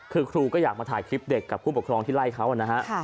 คือครูก็อยากมาถ่ายคลิปเด็กกับผู้ปกครองที่ไล่เขานะฮะ